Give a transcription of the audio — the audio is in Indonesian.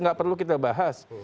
tidak perlu kita bahas